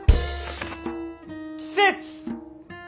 季節！